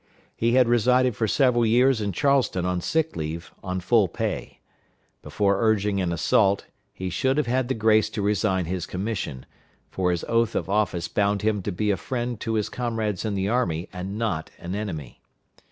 He had resided for several years in Charleston on sick leave, on full pay. Before urging an assault he should have had the grace to resign his commission, for his oath of office bound him to be a friend to his comrades in the army, and not an enemy.